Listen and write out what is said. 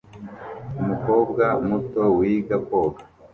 Umukobwa muto wiga koga